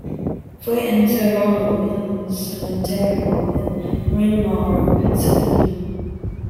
Fue enterrado en un cementerio en Bryn Mawr, Pensilvania.